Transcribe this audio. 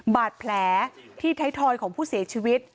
บาดแผลที่ไทยทอยของผู้เสียชีวิต